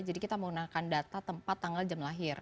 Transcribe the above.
jadi kita menggunakan data tempat tanggal jam lahir